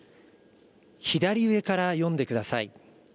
左上から読んでください。